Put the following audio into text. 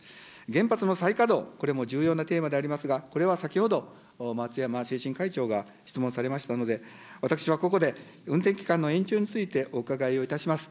原発の再稼働、これも重要なテーマでありますが、これは先ほど、松山会長が質問されましたので、私はここで運転期間の延長についてお伺いをいたします。